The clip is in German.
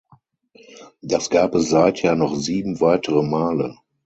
Das gab es seither noch sieben weitere Male.